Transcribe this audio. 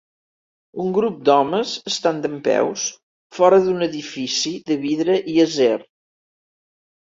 Un grup d'homes estan dempeus fora d'un edifici de vidre i acer.